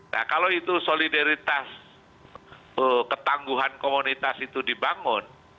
nah kalau itu solidaritas ketangguhan komunitas itu dibangun